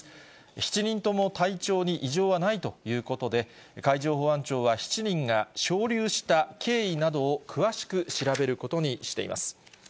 ７人とも体調に異常はないということで、海上保安庁は７人が漂流した経緯などを詳しく調べることにしています。